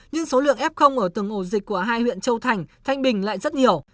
nhưng số lượng f ở từng ổ dịch của hai huyện châu thành thanh bình lại rất nhiều